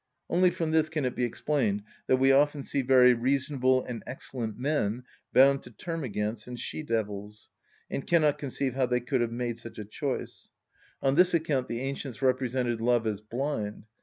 Only from this can it be explained that we often see very reasonable and excellent men bound to termagants and she‐devils, and cannot conceive how they could have made such a choice. On this account the ancients represented love as blind.